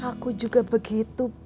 aku juga begitu beb